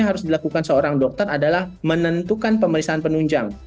yang harus dilakukan seorang dokter adalah menentukan pemeriksaan penunjang